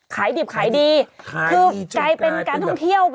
ขายดีบขายดีขายดีจนกลายเป็นแบบคือกลายเป็นการท่องเที่ยว